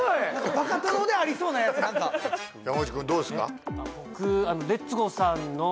バカ殿でありそうなやつなんか山口君どうですか？